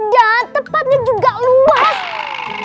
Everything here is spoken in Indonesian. dan tempatnya juga luas